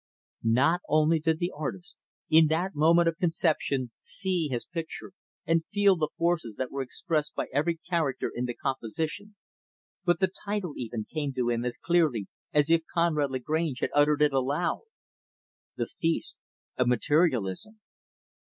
Not only did the artist, in that moment of conception see his picture and feel the forces that were expressed by every character in the composition, but the title, even, came to him as clearly as if Conrad Lagrange had uttered it aloud, "The Feast of Materialism."